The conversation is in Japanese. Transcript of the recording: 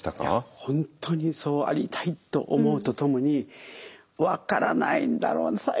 いや本当にそうありたいと思うとともに分からないんだろうな